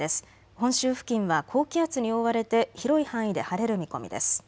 本州付近は高気圧に覆われて広い範囲で晴れる見込みです。